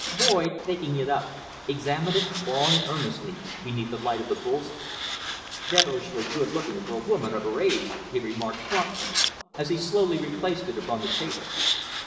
Boyd, taking it up, examined it long and earnestly beneath the light of the bull's eye. "Devilish good looking for a woman of her age," he remarked thoughtfully, as he slowly replaced it upon the table.